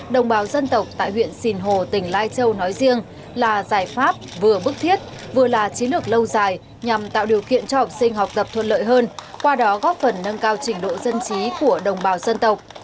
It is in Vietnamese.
đồng bào dân tộc tại huyện sìn hồ tỉnh lai châu nói riêng là giải pháp vừa bức thiết vừa là chiến lược lâu dài nhằm tạo điều kiện cho học sinh học tập thuận lợi hơn qua đó góp phần nâng cao trình độ dân trí của đồng bào dân tộc